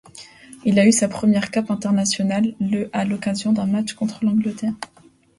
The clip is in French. Il a eu sa première cape internationale le à l’occasion d’un match contre l'Angleterre.